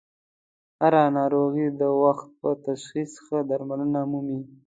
هر ه ناروغي د وخت په تشخیص ښه درملنه مومي.